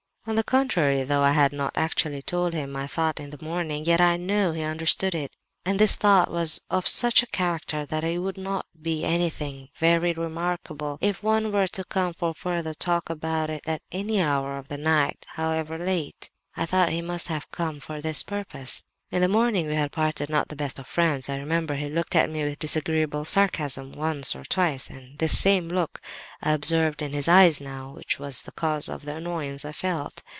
On the contrary, though I had not actually told him my thought in the morning, yet I know he understood it; and this thought was of such a character that it would not be anything very remarkable, if one were to come for further talk about it at any hour of night, however late. "I thought he must have come for this purpose. "In the morning we had parted not the best of friends; I remember he looked at me with disagreeable sarcasm once or twice; and this same look I observed in his eyes now—which was the cause of the annoyance I felt.